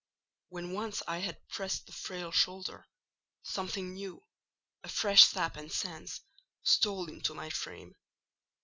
"When once I had pressed the frail shoulder, something new—a fresh sap and sense—stole into my frame.